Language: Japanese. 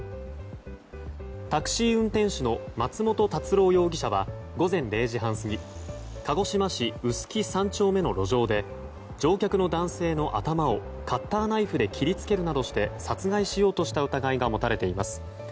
タクシー運転手の松元辰郎容疑者は午前０時半過ぎ鹿児島市宇宿３丁目の路上で乗客の男性の頭をカッターナイフで切りつけるなどして殺害しようとした疑いが持たれています。